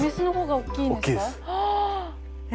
大きいですえ